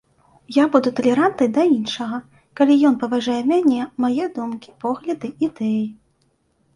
Я буду талерантны да іншага, калі ён паважае мяне, мае думкі, погляды, ідэі.